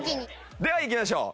ではいきましょう。